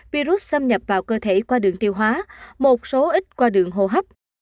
virus xâm nhập vào cơ thể qua đường tiêu hóa một số ít qua đường hô hấp